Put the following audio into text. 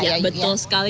ya betul sekali